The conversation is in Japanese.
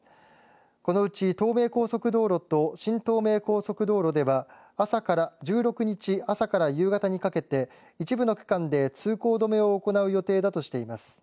このうち東名高速道路と新東名高速道路では１６日朝から夕方にかけて一部の区間で通行止めを行う予定だとしています。